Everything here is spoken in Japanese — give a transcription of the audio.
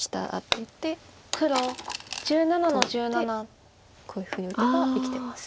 取ってこういうふうに打てば生きてます。